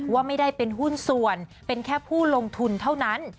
ว่าไม่ได้เป็นหุ้นส่วนเป็นแค่ผู้ลงทุนเท่านั้น